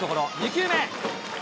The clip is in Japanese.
２球目。